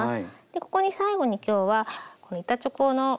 ここに最後に今日は板チョコの背面ですね。